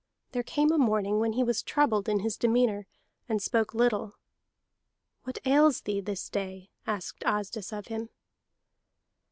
There came a morning when he was troubled in his demeanor, and spoke little. "What ails thee this day?" asked Asdis of him.